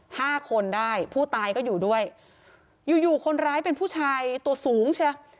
ห้าคนได้ผู้ตายก็อยู่ด้วยอยู่อยู่คนร้ายเป็นผู้ชายตัวสูงใช่ไหม